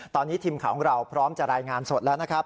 ตอนนี้ทีมข่าวของเราพร้อมจะรายงานสดแล้วนะครับ